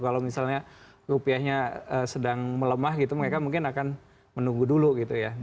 kalau misalnya rupiahnya sedang melemah gitu mereka mungkin akan menunggu dulu gitu ya